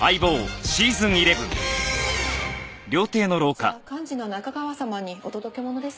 こちら幹事の仲川様にお届け物です。